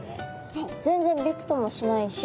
全然びくともしないし。